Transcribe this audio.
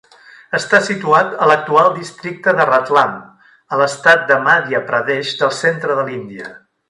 Està situat a l'actual districte de Ratlam, a l'Estat de Madhya Pradesh del centre de l'Índia.